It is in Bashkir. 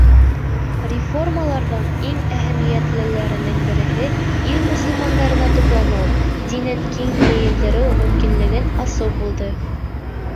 Реформаларҙың иң әһәмиәтлеләренең береһе ил мосолмандарына тупланыу, динен киң йәйелдереү мөмкинлеген асыу булды.